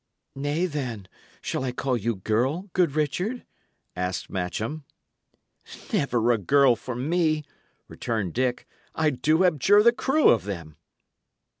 "Nay, then, shall I call you girl, good Richard?" asked Matcham. "Never a girl for me," returned Dick. "I do abjure the crew of them!"